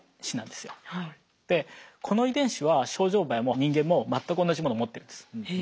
でこの遺伝子はショウジョウバエも人間も全く同じものを持ってるんです。